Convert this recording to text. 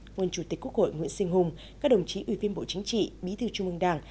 nguyên chủ tịch quốc hội nguyễn sinh hùng các đồng chí ủy viên bộ chính trị bí thư trung ương đảng